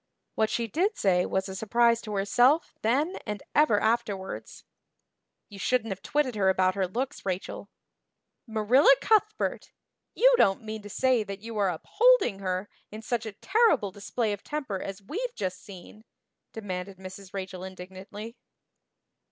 What she did say was a surprise to herself then and ever afterwards. "You shouldn't have twitted her about her looks, Rachel." "Marilla Cuthbert, you don't mean to say that you are upholding her in such a terrible display of temper as we've just seen?" demanded Mrs. Rachel indignantly.